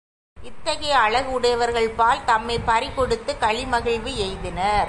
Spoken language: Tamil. இத்தகைய அழகு உடையவர்கள்பால் தம்மைப் பறிகொடுத்துக் களி மகிழ்வு எய்தினர்.